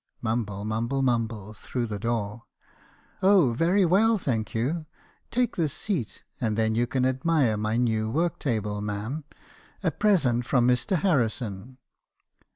"Mumble, mumble, mumble, through the door. "'Oh, very well, thank you. Take this seat, and then you can admire my new work table, ma* am; a present from Mr. Harrison.'